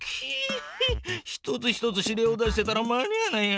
一つ一つ指令を出してたら間に合わないや。